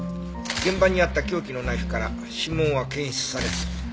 現場にあった凶器のナイフから指紋は検出されず。